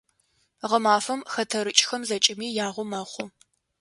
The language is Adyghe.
Гъэмафэм хэтэрыкӀхэм зэкӀэми ягъо мэхъу.